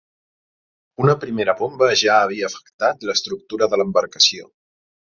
Una primera bomba ja havia afectat l'estructura de l'embarcació.